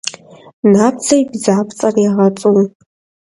Набдзэ и бдзапцӏэр егъэцӏу.